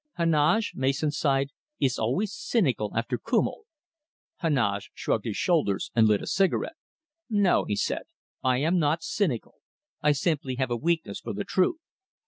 "Heneage," Mason sighed, "is always cynical after 'kümmel.'" Heneage shrugged his shoulders and lit a cigarette. "No!" he said, "I am not cynical. I simply have a weakness for the truth.